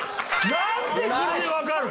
なんでこれでわかるの？